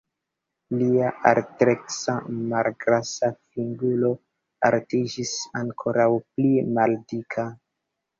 Lia altkreska, malgrasa figuro fariĝis ankoraŭ pli maldika.